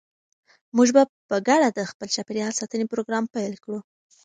موږ به په ګډه د خپل چاپیریال ساتنې پروګرام پیل کړو.